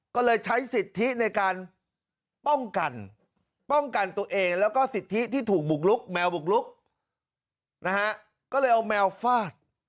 ก็เลยใช้สิทธิในการป้องกันป้องกันตัวเองแล้วก็สิทธิที่ถูกบุกลุกแมวบุกลุกนะฮะก็เลยเอาแมวฟาด